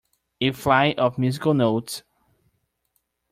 A flight of musical notes.